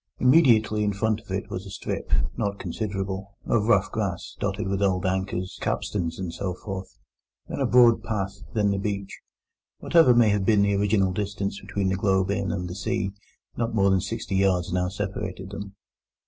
Immediately in front was a strip—not considerable—of rough grass, dotted with old anchors, capstans, and so forth; then a broad path; then the beach. Whatever may have been the original distance between the Globe Inn and the sea, not more than sixty yards now separated them.